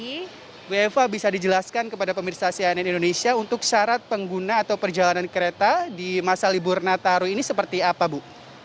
ibu eva bisa dijelaskan kepada pemirsa cnn indonesia untuk syarat pengguna atau perjalanan kereta di masa libur nataru ini seperti apa bu